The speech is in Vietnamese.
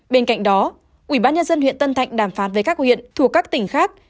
bên cạnh đó ubnd huyện tân thạnh đàm phán với các huyện thuộc các tỉnh khác